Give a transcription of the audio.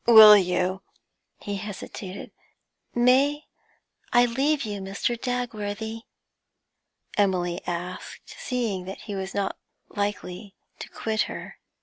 'Will you ' He hesitated. 'May I leave you, Mr. Dagworthy?' Emily asked, seeing that he was not likely to quit her.